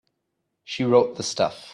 She wrote the stuff.